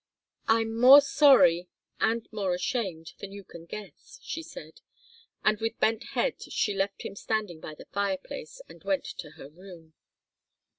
"I'm more sorry and more ashamed than you can guess," she said, and with bent head she left him standing by the fireplace, and went to her room.